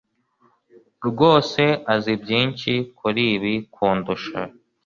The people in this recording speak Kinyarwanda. rwose azi byinshi kuri ibi kundusha.